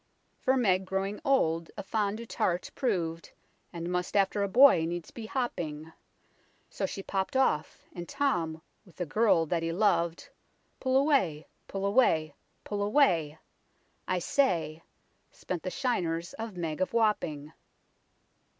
" For Meg, growing old, a fond dotart prov'd, And must after a boy needs be hopping ; So she popp'd off and Tom, with the girl that he lov'd Pull away, pull away, pull away ! I say ; Spent the shiners of Meg of Wapping."